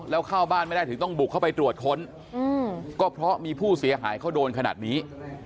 แล้วเข้าบ้านไม่ได้ถึงต้องบุกเข้าไปตรวจค้นก็เพราะมีผู้เสียหายเขาโดนขนาดนี้